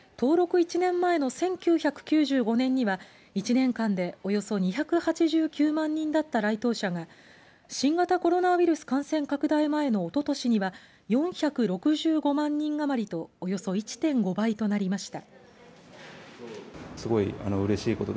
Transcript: １年前の１９９５年には１年間でおよそ２８９万人だった来島者が新型コロナウイルス感染拡大前のおととしには４６５万人余りとおよそ１．５倍となりました。